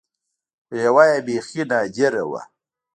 خو يوه يې بيخي نادره وه.